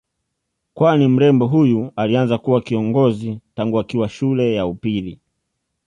Kwani mrembo huyu alianza kuwa kiongozi tangu akiwa shule ya upili